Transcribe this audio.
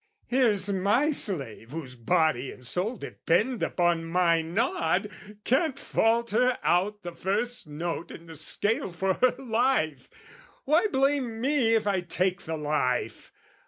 Here's my slave, Whose body and soul depend upon my nod, Can't falter out the first note in the scale For her life! Why blame me if I take the life?